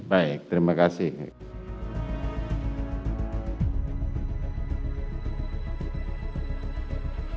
baik terima kasih